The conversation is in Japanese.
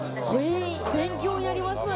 勉強になります。